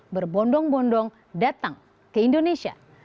berbondong bondong datang ke indonesia